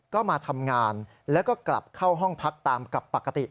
ก็มาทำงานแล้วก็กลับเข้าห้องพักตามกับปกติ